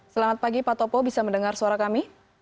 selamat pagi pak topo bisa mendengar suara kami